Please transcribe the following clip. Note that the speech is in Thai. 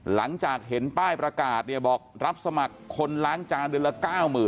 หลังจากเห็นป้ายประกาศเนี่ยบอกรับสมัครคนล้างจานเดือนละ๙๐๐